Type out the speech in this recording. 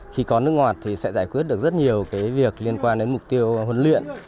khi có nước ngọt thì sẽ giải quyết được rất nhiều việc liên quan đến mục tiêu huấn luyện